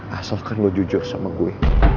asalkan lo jujur sama gue